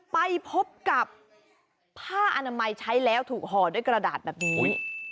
ไปพบกับผ้าอนามัยใช้แล้วถูกห่อด้วยกระดาษแบบนี้